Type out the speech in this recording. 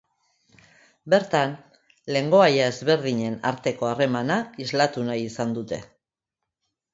Bertan, lengoaia ezberdinen arteko harremana islatu nahi izan dute.